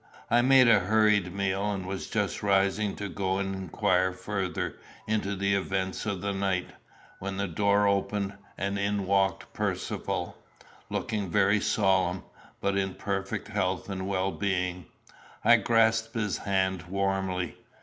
I made a hurried meal, and was just rising to go and inquire further into the events of the night, when the door opened, and in walked Percivale, looking very solemn, but in perfect health and well being. I grasped his hand warmly.